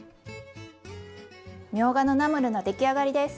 みょうがのナムルの出来上がりです。